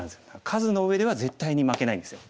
数の上では絶対に負けないんですよ。